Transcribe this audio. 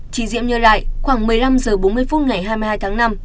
chị diệm nhớ lại khoảng một mươi năm h bốn mươi phút ngày hai mươi hai tháng năm